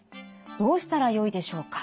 どうしたらよいでしょうか。